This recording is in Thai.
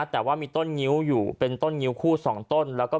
แต่ว่ามีต้นงิ้วอยู่เป็นต้นงิ้วคู่๒ต้นแล้วก็